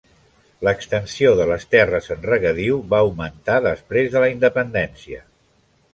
L'extensió de les terres en regadiu va augmentar després de la independència.